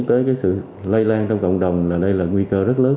tới cái sự lây lan trong cộng đồng là đây là nguy cơ rất lớn